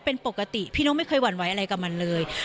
เป็นปกติพี่นกไม่เคยหวั่นไหวอะไรกับมันเลย